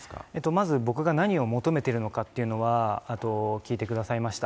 まず僕が何を求めているのかというのは、聞いてくださいました。